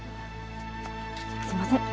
すいません。